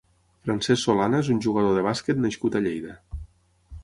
Francesc Solana és un jugador de bàsquet nascut a Lleida.